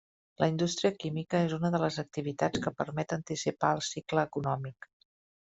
La indústria química és una de les activitats que permet anticipar el cicle econòmic.